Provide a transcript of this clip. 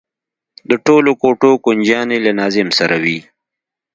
د ټولو کوټو کونجيانې له ناظم سره وي.